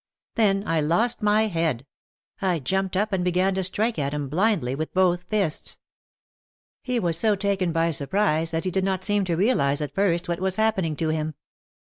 Then I lost my head. I jumped up and began to strike at him blindly with both fists. He was so taken by surprise that he did not seem to realise at first what was happening to him.